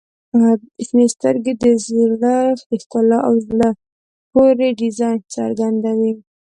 • شنې سترګې د زړه د ښکلا او زړه پورې ډیزاین څرګندوي.